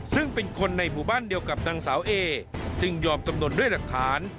ซึ่งเป็นคนในหมู่บ้านเดียวกับนางสาวเอจึงยอมจำนวนด้วยหลักฐาน